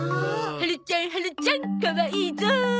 はるちゃんはるちゃんかわいいゾ！